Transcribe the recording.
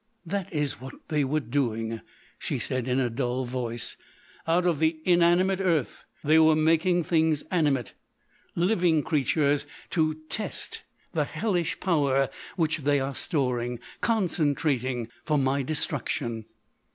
"That is what they were doing," she said in a dull voice. "Out of inanimate earth they were making things animate—living creatures—to—to test the hellish power which they are storing—concentrating—for my destruction."